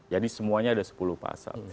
jadi semuanya ada sepuluh pasal